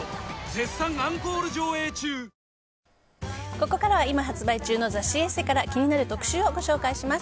ここからは今発売中の雑誌「ＥＳＳＥ」から気になる特集をご紹介します。